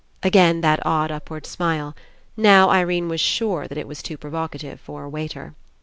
Again that odd upward smile. Now, Irene was sure that it was too provocative for a waiter.